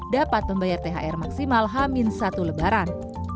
dapat membayar thr maksimal hamil satu lebaran